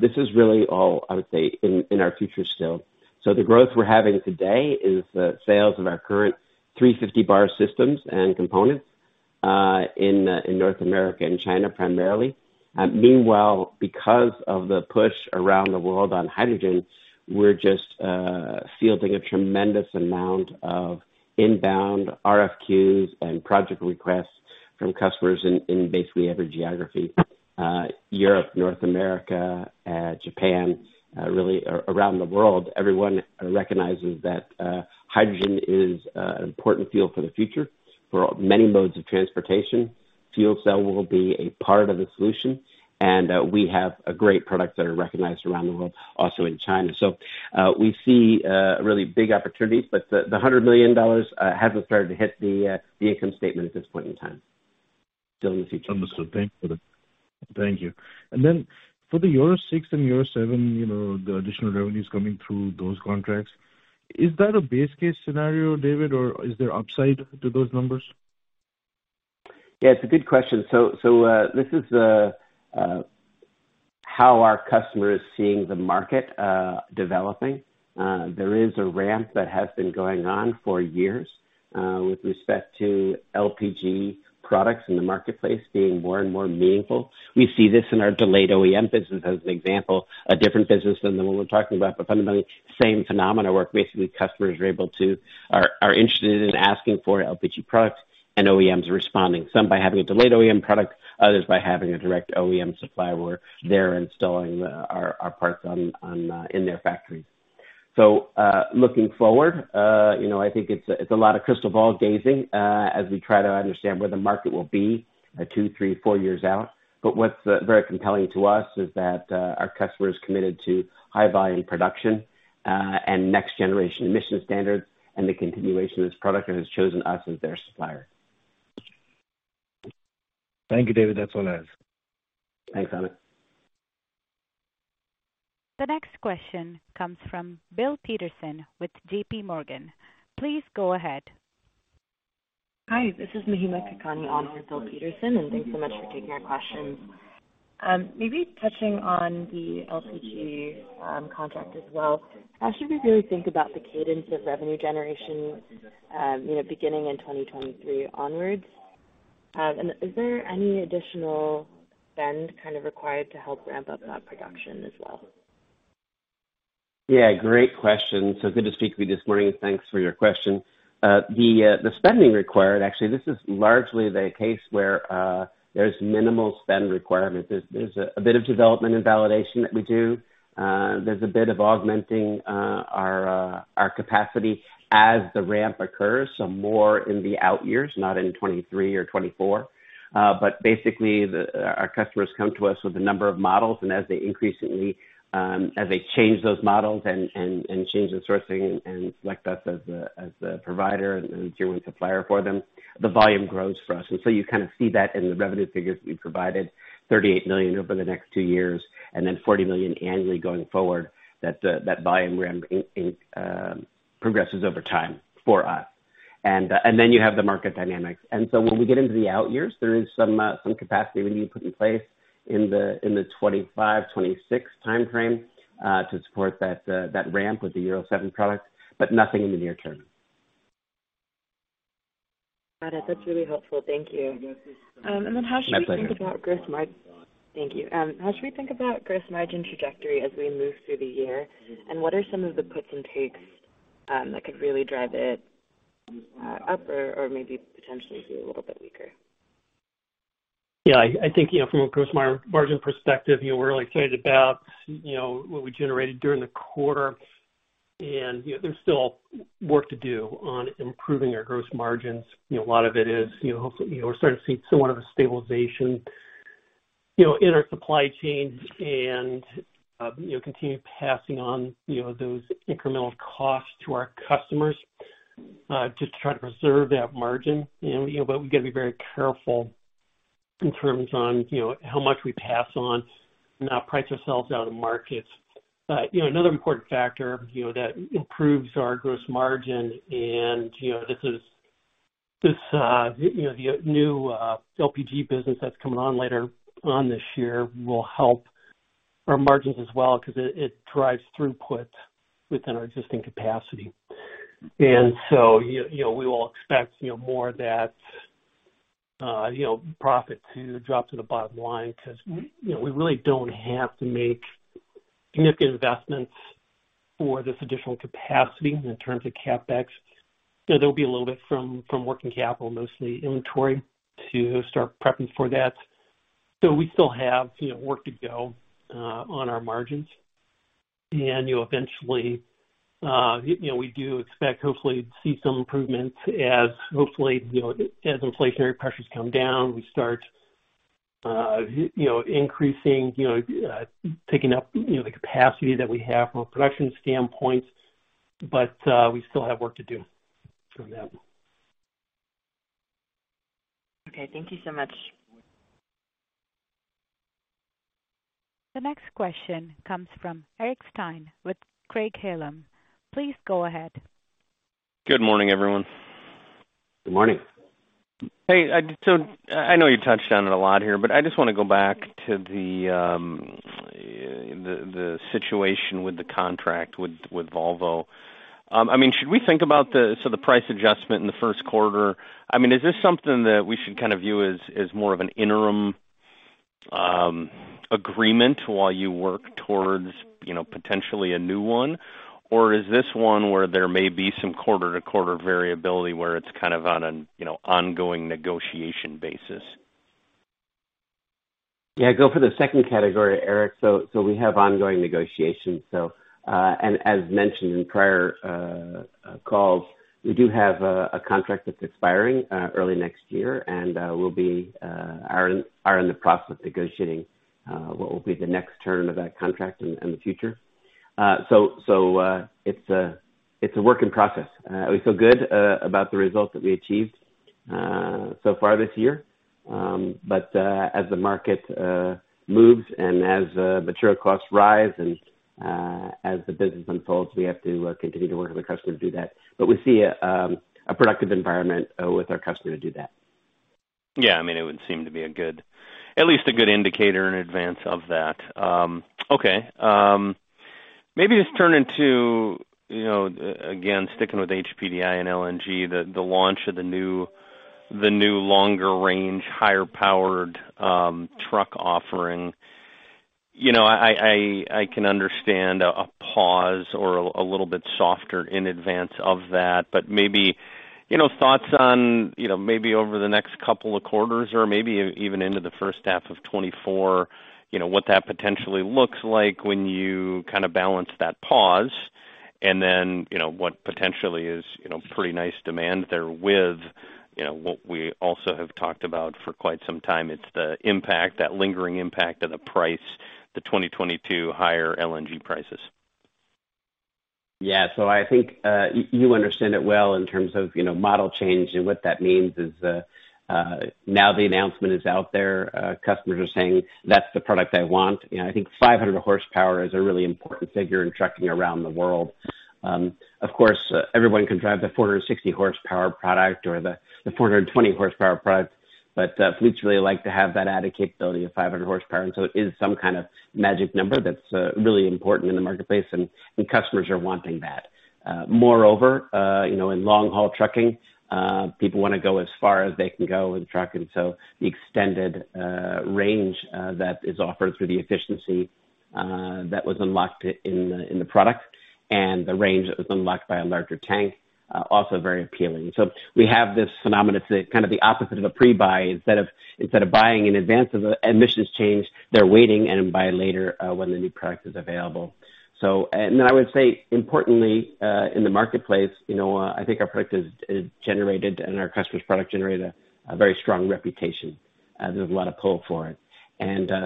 this is really all, I would say, in our future still. The growth we're having today is the sales of our current 350 bar systems and components in North America and China primarily. Meanwhile, because of the push around the world on hydrogen, we're just fielding a tremendous amount of inbound RFQs and project requests from customers in basically every geography, Europe, North America, Japan, really around the world. Everyone recognizes that hydrogen is an important fuel for the future for many modes of transportation. We have a great product that are recognized around the world, also in China. We see really big opportunities, the $100 million hasn't started to hit the income statement at this point in time. Understood. Thanks for that. Thank you. Then for the Euro 6 and Euro 7, you know, the additional revenues coming through those contracts, is that a base case scenario, David, or is there upside to those numbers? Yeah, it's a good question. This is how our customer is seeing the market developing. There is a ramp that has been going on for years with respect to LPG products in the marketplace being more and more meaningful. We see this in our delayed OEM business as an example, a different business than the one we're talking about, but fundamentally same phenomena, where basically customers are interested in asking for LPG products and OEMs are responding, some by having a delayed OEM product, others by having a direct OEM supplier where they're installing our parts on in their factories. Looking forward, you know, I think it's a lot of crystal ball gazing as we try to understand where the market will be at two, three, four years out. What's very compelling to us is that our customer is committed to high volume production and next generation emission standards and the continuation of this product and has chosen us as their supplier. Thank you, David. That's all I have. Thanks, Amit. The next question comes from Bill Peterson with JPMorgan. Please go ahead. Hi, this is Mahima Kakani on for Bill Peterson. Thanks so much for taking our questions. Maybe touching on the LPG contract as well, how should we really think about the cadence of revenue generation, you know, beginning in 2023 onwards? Is there any additional spend kind of required to help ramp up that production as well? Great question. Good to speak with you this morning. Thanks for your question. The spending required, actually, this is largely the case where there's minimal spend requirements. There's a bit of development and validation that we do. There's a bit of augmenting our capacity as the ramp occurs, so more in the out years, not in 23 or 24. Basically our customers come to us with a number of models and as they increasingly, as they change those models and change the sourcing and select us as the provider and tier one supplier for them, the volume grows for us. volume ramp, it, um, progresses over time for us. And then you have the market dynamics. So when we get into the out years, there is some capacity we need to put in place in the 2025, 2026 timeframe to support that ramp with the Euro 7 products, but nothing in the near term Got it. That's really helpful. Thank you. My pleasure. Thank you. How should we think about gross margin trajectory as we move through the year? What are some of the puts and takes that could really drive it up or maybe potentially be a little bit weaker? Yeah, I think, you know, from a gross margin perspective, you know, we're really excited about, you know, what we generated during the quarter. There's still work to do on improving our gross margins. You know, a lot of it is, you know, hopefully, you know, we're starting to see somewhat of a stabilization, you know, in our supply chain and, you know, continue passing on, you know, those incremental costs to our customers, just to try to preserve that margin. You know, but we got to be very careful in terms on, you know, how much we pass on, not price ourselves out of markets. You know, another important factor, you know, that improves our gross margin and, you know, this is, this, you know, the new LPG business that's coming on later on this year will help our margins as well 'cause it drives throughput within our existing capacity. You know, we will expect, you know, more of that, you know, profit to drop to the bottom line 'cause you know, we really don't have to make significant investments for this additional capacity in terms of CapEx. You know, there'll be a little bit from working capital, mostly inventory to start prepping for that. We still have, you know, work to go on our margins. You know, eventually, you know, we do expect hopefully to see some improvements as hopefully, you know, as inflationary pressures come down, we start, you know, increasing, you know, taking up, you know, the capacity that we have from a production standpoint. We still have work to do on that one. Okay. Thank you so much. The next question comes from Eric Stine with Craig-Hallum. Please go ahead. Good morning, everyone. Good morning. I know you touched on it a lot here, but I just wanna go back to the situation with the contract with Volvo. I mean, should we think about the price adjustment in the first quarter, I mean, is this something that we should kind of view as more of an interim agreement while you work towards, you know, potentially a new one? Or is this one where there may be some quarter-to-quarter variability where it's kind of on an, you know, ongoing negotiation basis? Yeah. Go for the second category, Eric. We have ongoing negotiations. As mentioned in prior calls, we do have a contract that's expiring early next year, and we'll be in the process of negotiating what will be the next term of that contract in the future. It's a work in process. We feel good about the results that we achieved so far this year. As the market moves and as material costs rise and as the business unfolds, we have to continue to work with the customer to do that. We see a productive environment with our customer to do that. Yeah, I mean, it would seem to be a good, at least a good indicator in advance of that. Okay. Maybe just turn into, you know, again, sticking with HPDI and LNG, the launch of the new longer range, higher powered, truck offering. You know, I can understand a pause or a little bit softer in advance of that, but maybe, you know, thoughts on, you know, maybe over the next couple of quarters or maybe even into the first half of 2024, you know, what that potentially looks like when you kinda balance that pause and then, you know, what potentially is, you know, pretty nice demand there with, you know, what we also have talked about for quite some time. It's the impact, that lingering impact of the price, the 2022 higher LNG prices. Yeah. I think you understand it well in terms of, you know, model change, and what that means is, now the announcement is out there, customers are saying, "That's the product I want." You know, I think 500 horsepower is a really important figure in trucking around the world. Of course, everyone can drive the 460 horsepower product or the 420 horsepower product. Fleets really like to have that added capability of 500 horsepower, it is some kind of magic number that's really important in the marketplace, and customers are wanting that. Moreover, you know, in long-haul trucking, people wanna go as far as they can go and truck, and so the extended range that is offered through the efficiency that was unlocked in the product and the range that was unlocked by a larger tank also very appealing. We have this phenomenon, it's a kind of the opposite of a pre-buy. Instead of buying in advance of the emissions change, they're waiting and buy later when the new product is available. I would say importantly, in the marketplace, you know, I think our product has, is generated and our customer's product generated a very strong reputation. There's a lot of pull for it.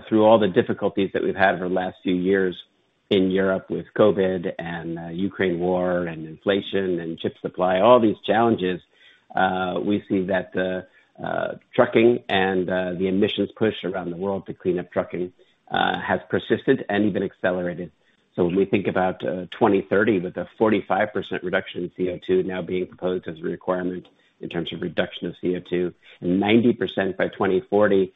Through all the difficulties that we've had over the last few years in Europe with COVID and Ukraine war and inflation and chip supply, all these challenges, we see that trucking and the emissions push around the world to clean up trucking has persisted and even accelerated. When we think about 2030 with a 45% reduction in CO2 now being proposed as a requirement in terms of reduction of CO2 and 90% by 2040,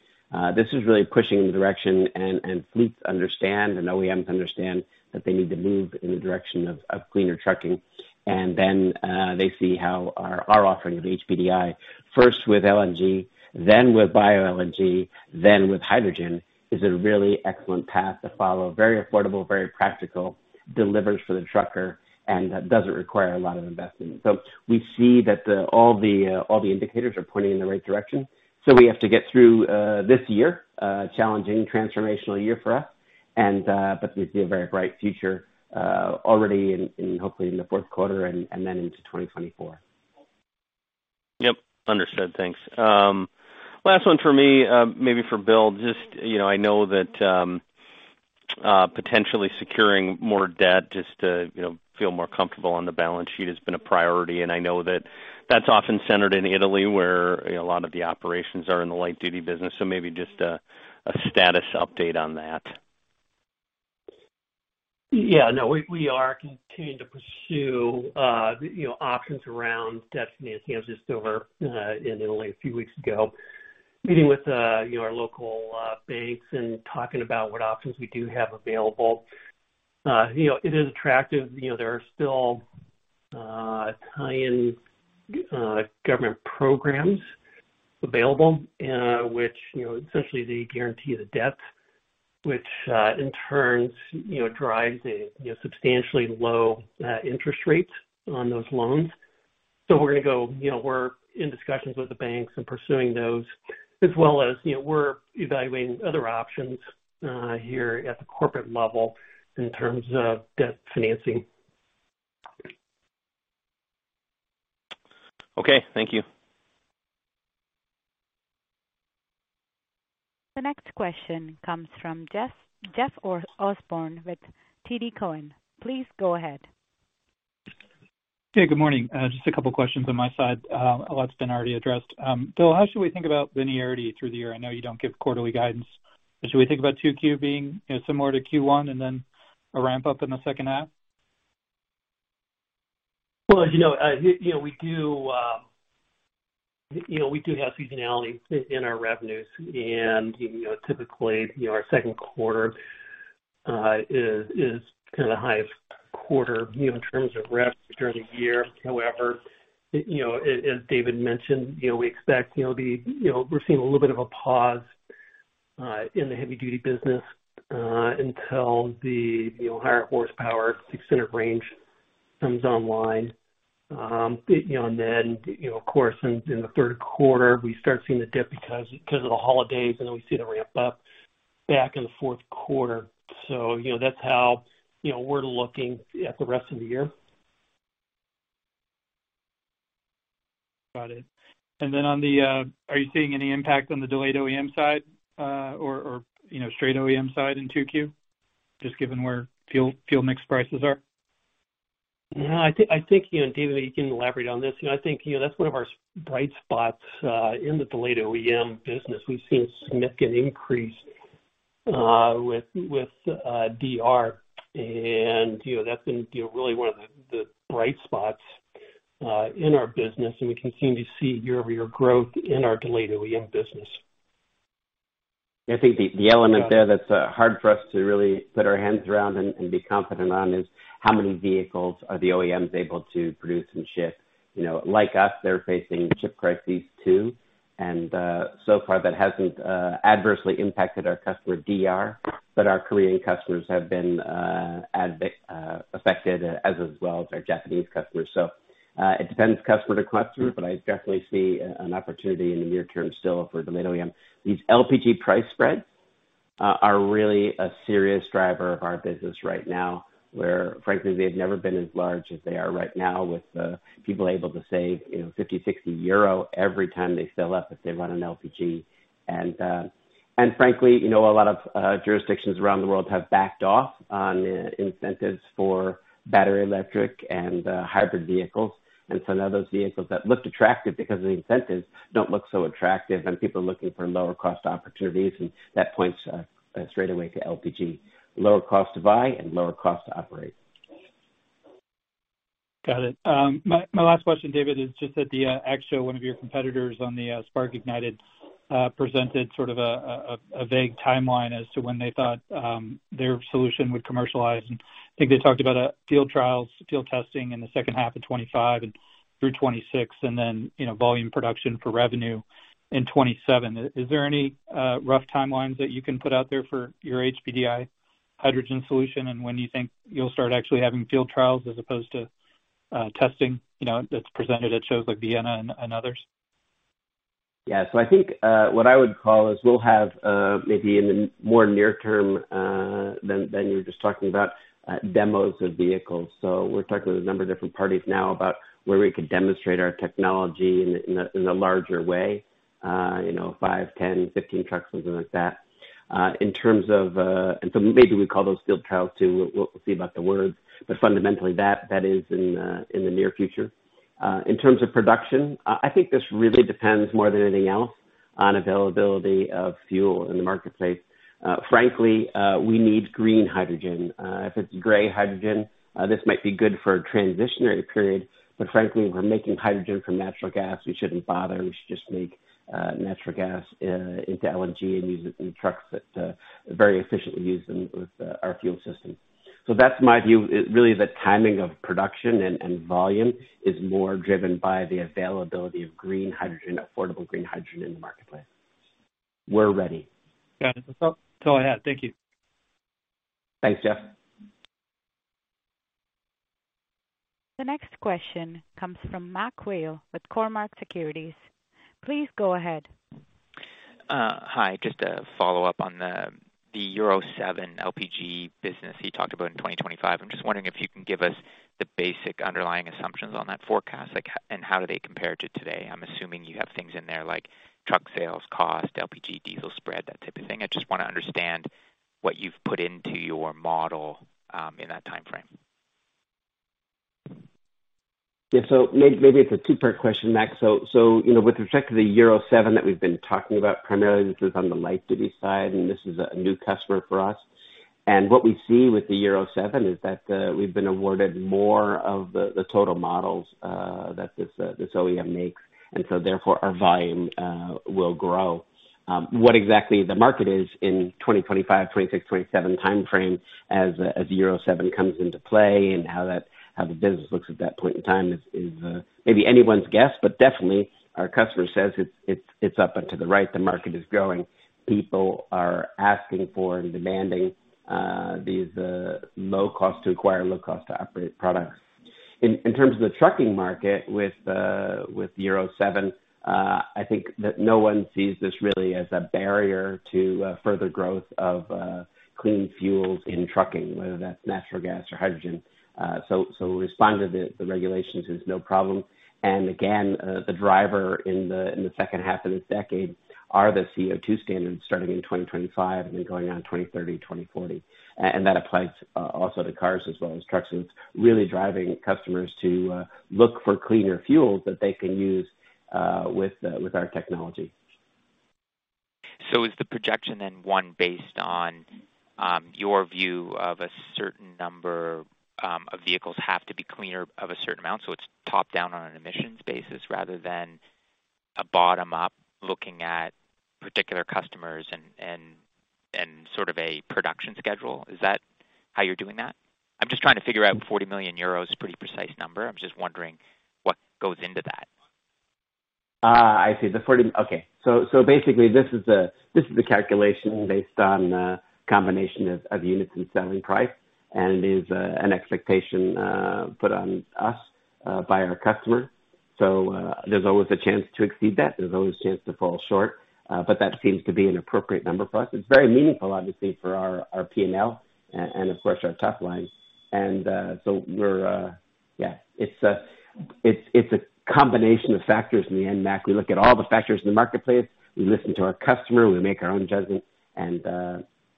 this is really pushing in the direction and fleets understand and OEMs understand that they need to move in the direction of cleaner trucking. They see how our offering of HPDI, first with LNG, then with bio-LNG, then with hydrogen, is a really excellent path to follow. Very affordable, very practical, delivers for the trucker, and doesn't require a lot of investment. We see that all the indicators are pointing in the right direction. We have to get through this year, a challenging transformational year for us and, but we see a very bright future already in hopefully in the fourth quarter and then into 2024. Yep. Understood. Thanks. Last one for me, maybe for Bill. Just, you know, I know that, potentially securing more debt just to, you know, feel more comfortable on the balance sheet has been a priority, and I know that that's often centered in Italy, where a lot of the operations are in the light-duty business. Maybe just a status update on that. Yeah. No, we are continuing to pursue, you know, options around debt financing as just over in Italy a few weeks ago. Meeting with, you know, our local banks and talking about what options we do have available. You know, it is attractive. You know, there are still tie in government programs available, which, you know, essentially they guarantee the debt, which, in turn, you know, drives, you know, substantially low interest rates on those loans. We're gonna go, you know, we're in discussions with the banks and pursuing those as well as, you know, we're evaluating other options here at the corporate level in terms of debt financing. Okay. Thank you. The next question comes from Jeff Osborne with TD Cowen. Please go ahead. Hey, good morning. Just a couple questions on my side. A lot's been already addressed. Bill, how should we think about linearity through the year? I know you don't give quarterly guidance, but should we think about 2Q being, you know, similar to Q1 and then a ramp-up in the second half? Well, as you know, you know, we do, you know, we do have seasonality in our revenues. Typically, you know, our second quarter, is kinda the highest quarter, you know, in terms of rev during the year. However, you know, as David mentioned, you know, we expect, you know, You know, we're seeing a little bit of a pause, in the heavy-duty business, until the, you know, higher horsepower extended range comes online. You know, and then, you know, of course, in the third quarter, we start seeing the dip because of the holidays, and then we see the ramp up back in the fourth quarter. That's how, you know, we're looking at the rest of the year. Got it. On the, are you seeing any impact on the delayed OEM side, or, you know, straight OEM side in 2Q, just given where fuel mix prices are? No, I think, you know, David, you can elaborate on this. You know, I think, you know, that's one of our bright spots in the delayed OEM business. We've seen significant increase with DR. You know, that's been, you know, really one of the bright spots in our business, and we continue to see year-over-year growth in our delayed OEM business. I think the element there that's hard for us to really put our hands around and be confident on is how many vehicles are the OEMs able to produce and ship. You know, like us, they're facing chip crises too. So far that hasn't adversely impacted our customer DR, but our Korean customers have been affected as well as our Japanese customers. It depends customer to customer, but I definitely see an opportunity in the near term still for delayed OEM. These LPG price spreads are really a serious driver of our business right now, where frankly, they've never been as large as they are right now with people able to save, you know, 50-60 euro every time they fill up if they run an LPG. Frankly, you know, a lot of jurisdictions around the world have backed off on incentives for battery electric and hybrid vehicles. Now those vehicles that looked attractive because of the incentives don't look so attractive, and people are looking for lower cost opportunities, and that points straight away to LPG. Lower cost to buy and lower cost to operate. Got it. My last question, David, is just at the ACT Expo, one of your competitors on the spark ignited, presented sort of a vague timeline as to when they thought their solution would commercialize. I think they talked about field trials, field testing in the second half of 2025 and through 2026, and then, you know, volume production for revenue in 2027. Is there any rough timelines that you can put out there for your HPDI hydrogen solution, and when you think you'll start actually having field trials as opposed to testing, you know, that's presented at shows like Vienna Motor Symposium and others? Yeah. I think what I would call is we'll have maybe in the more near term than you were just talking about, demos of vehicles. We're talking with a number of different parties now about where we could demonstrate our technology in a larger way, you know, five, 10, 15 trucks, something like that. In terms of... Maybe we call those field trials too. We'll see about the words, but fundamentally that is in the near future. In terms of production, I think this really depends more than anything else on availability of fuel in the marketplace. Frankly, we need green hydrogen. If it's gray hydrogen, this might be good for a transitionary period. Frankly, if we're making hydrogen from natural gas, we shouldn't bother. We should just make natural gas into LNG and use it in trucks that very efficiently use them with our fuel system. That's my view. It really is a timing of production and volume is more driven by the availability of green hydrogen, affordable green hydrogen in the marketplace. We're ready. Got it. That's all, that's all I had. Thank you. Thanks, Jeff. The next question comes from MacMurray Whale with Cormark Securities. Please go ahead. Hi. Just a follow-up on the Euro 7 LPG business you talked about in 2025. I'm just wondering if you can give us the basic underlying assumptions on that forecast, like and how do they compare to today? I'm assuming you have things in there like truck sales, cost, LPG diesel spread, that type of thing. I just wanna understand what you've put into your model in that timeframe. Maybe it's a two-part question, Mac. You know, with respect to the Euro 7 that we've been talking about primarily, which is on the light-duty side, and this is a new customer for us. What we see with the Euro 7 is that we've been awarded more of the total models that this OEM makes, and so therefore our volume will grow. What exactly the market is in 2025, 2026, 2027 timeframe as Euro 7 comes into play and how the business looks at that point in time is maybe anyone's guess, but definitely our customer says it's, it's up and to the right, the market is growing. People are asking for and demanding these low cost to acquire, low cost to operate products. In terms of the trucking market with Euro 7, I think that no one sees this really as a barrier to further growth of clean fuels in trucking, whether that's natural gas or hydrogen. Respond to the regulations is no problem. Again, the driver in the second half of this decade are the CO2 standards starting in 2025 and then going on 2030, 2040. That applies also to cars as well as trucks, and it's really driving customers to look for cleaner fuels that they can use with our technology. Is the projection then one based on your view of a certain number of vehicles have to be cleaner of a certain amount, so it's top-down on an emissions basis rather than a bottom-up looking at particular customers and sort of a production schedule? Is that how you're doing that? I'm just trying to figure out 40 million euros is a pretty precise number. I'm just wondering what goes into that. I see. The 40. Okay. Basically this is a calculation based on a combination of units and selling price and is an expectation put on us by our customer. There's always a chance to exceed that. There's always a chance to fall short. That seems to be an appropriate number for us. It's very meaningful obviously for our P&L and of course our top line. Yeah, it's a combination of factors in the end, Matt. We look at all the factors in the marketplace. We listen to our customer, we make our own judgment,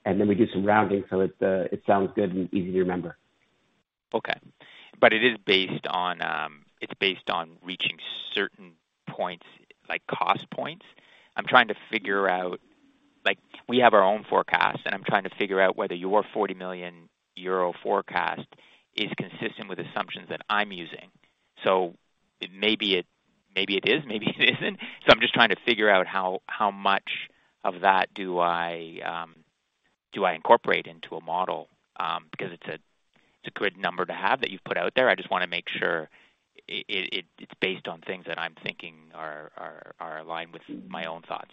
we do some rounding so it sounds good and easy to remember. It is based on, it's based on reaching certain points, like cost points. I'm trying to figure out, like, we have our own forecast, and I'm trying to figure out whether your 40 million euro forecast is consistent with assumptions that I'm using. Maybe it is, maybe it isn't. I'm just trying to figure out how much of that do I incorporate into a model, because it's a good number to have that you've put out there. I just wanna make sure it's based on things that I'm thinking are aligned with my own thoughts.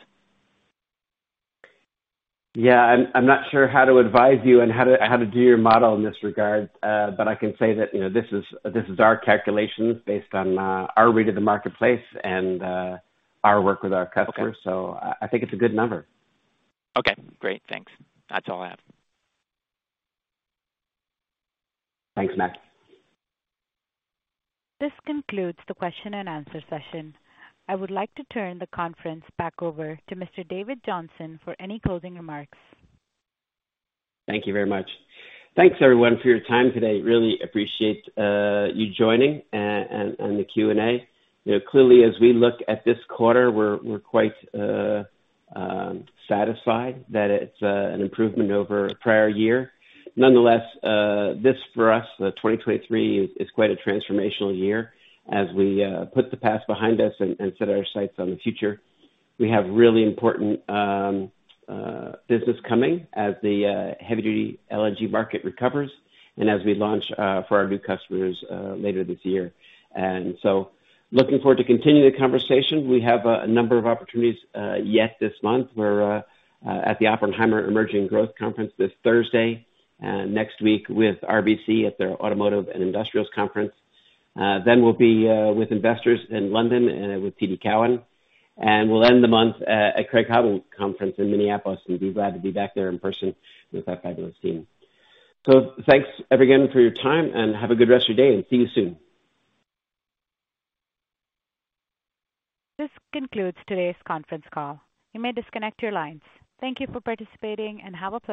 I'm not sure how to advise you on how to do your model in this regard, but I can say that, you know, this is our calculations based on our read of the marketplace and our work with our customers. Okay. I think it's a good number. Okay, great. Thanks. That's all I have. Thanks, Mac. This concludes the question and answer session. I would like to turn the conference back over to Mr. David Johnson for any closing remarks. Thank you very much. Thanks everyone for your time today. Really appreciate you joining and the Q&A. You know, clearly as we look at this quarter, we're quite satisfied that it's an improvement over prior year. Nonetheless, this for us, 2023 is quite a transformational year as we put the past behind us and set our sights on the future. We have really important business coming as the heavy duty LNG market recovers and as we launch for our new customers later this year. Looking forward to continuing the conversation. We have a number of opportunities yet this month. We're at the Oppenheimer Emerging Growth Conference this Thursday. Next week with RBC at their Automotive and Industrials conference. We'll be with investors in London and with TD Cowen. We'll end the month at Craig-Hallum Conference in Minneapolis, and be glad to be back there in person with our fabulous team. Thanks again for your time, and have a good rest of your day, and see you soon. This concludes today's conference call. You may disconnect your lines. Thank you for participating and have a pleasant day.